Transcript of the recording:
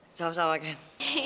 ya sama sama ken